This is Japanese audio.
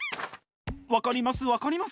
分かります分かります。